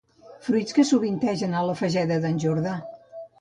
Fruits que sovintegen a la Fageda d'en Jordà.